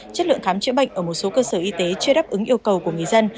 chất lượng khám chữa bệnh ở một số cơ sở y tế chưa đáp ứng yêu cầu của người dân